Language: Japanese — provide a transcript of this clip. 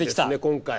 今回。